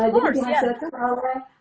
jadi dihasilkan oleh